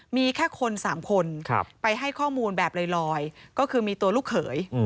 มีแค่คน๓คนไปให้ข้อมูลแบบลอยก็คือมีตัวลูกเขย